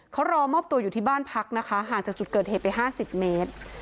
เขารอมอบตัวอยู่ที่บ้านพักนะคะห่างจากจุดเกิดเหตุไป๕๐เมตร